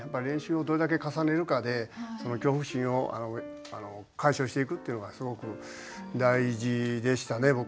練習をどれだけ重ねるかでその恐怖心を解消していくっていうのがすごく大事でしたね